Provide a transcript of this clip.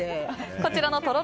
こちらのとろろ